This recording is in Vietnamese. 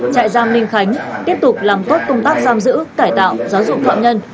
trại giam ninh khánh tiếp tục làm tốt công tác giam giữ cải tạo giáo dục phạm nhân